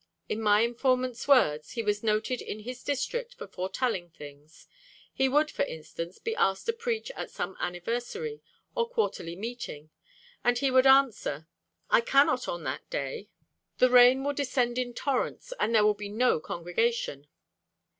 In my informant's words, 'He was noted in his district for foretelling things. He would, for instance, be asked to preach at some anniversary, or quarterly meeting, and he would answer, "I cannot, on that day; the rain will descend in torrents, and there will be no congregation."